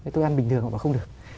tôi ăn bình thường họ bảo không được